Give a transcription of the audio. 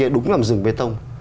đúng là một rừng bê tông